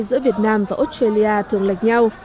giữa việt nam và australia thường lệch nhau